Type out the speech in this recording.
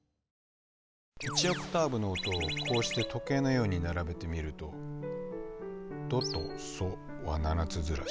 １オクターブの音をこうして時計のように並べてみると「ド」と「ソ」は７つずらし。